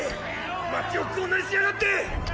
街をこんなにしやがって。